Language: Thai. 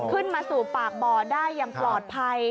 ขึ้นมาสู่ปากบ่อได้อย่างปลอดภัย